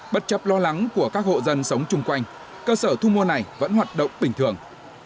bất chấp lo lắng của các hộ dân sống chung quanh cơ sở thu mua này vẫn hoạt động bình thường